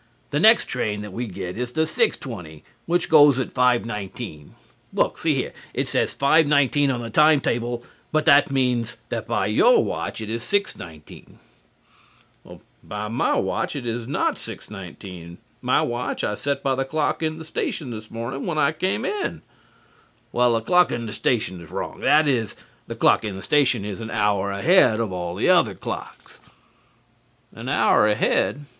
The next train that we get is the 6:20 which goes at 5:19. Look, see here. It says 5:19 on the time table but that means that by your watch it is 6:19" "By my watch it is not 6:19. My watch I set by the clock in the station this morning when I came in" "Well, the clock in the station is wrong. That is, the clock in the station is an hour ahead of all the other clocks." "An hour ahead?